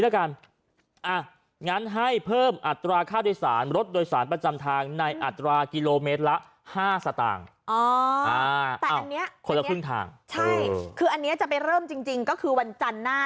คนละครึ่งทางใช่คืออันนี้จะไปเริ่มจริงจริงก็คือวันจันทร์หน้า